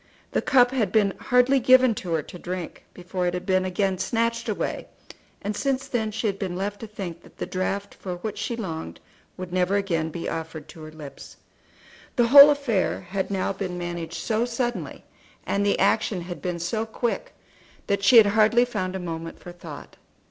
The cup had been hardly given to her to drink before it had been again snatched away, and since then she had been left to think that the draught for which she longed would never again be offered to her lips. The whole affair had now been managed so suddenly, and the action had been so quick, that she had hardly found a moment for thought.